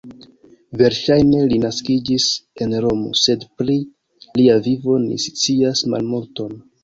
Verŝajne li naskiĝis en Romo, sed pri lia vivo ni scias malmulton.